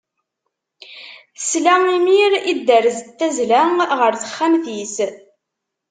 Tesla imir i dderz n tazla ɣer texxamt-is.